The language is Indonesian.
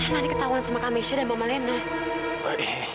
nanti ketahuan sama kak misha dan mama leno